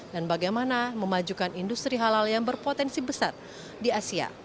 dan bagaimana memajukan industri halal yang berpotensi besar di asia